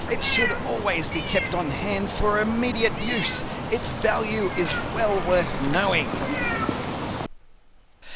It should always be kept on hand for immediate use. Its value is well worth knowing.